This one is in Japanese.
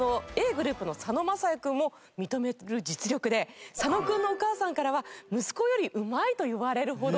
ｇｒｏｕｐの佐野晶哉くんも認める実力で佐野くんのお母さんからは「息子よりうまい」と言われるほど。